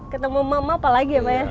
ketemu emak emak apa lagi ya pak ya